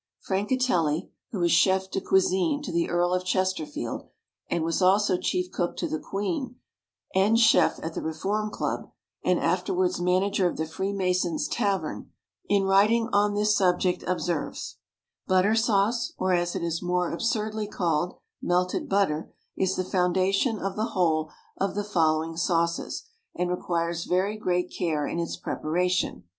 Francatelli, who was chef de cuisine to the Earl of Chesterfield, and was also chief cook to the Queen and chef at the Reform Club, and afterwards manager of the Freemasons' Tavern, in writing on this subject observes: "Butter sauce, or, as it is more absurdly called, melted butter, is the foundation of the whole of the following sauces, and requires very great care in its preparation.